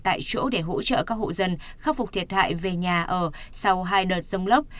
tại chỗ để hỗ trợ các hộ dân khắc phục thiệt hại về nhà ở sau hai đợt rông lốc